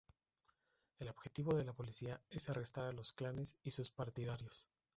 El objetivo de la policía, es arrestar a los clanes y sus partidarios.